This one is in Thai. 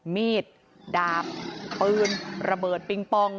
มีดดาบปืนระเบิดปิงปอง